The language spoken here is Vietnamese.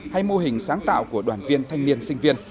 hay mô hình sáng tạo của đoàn viên thanh niên sinh viên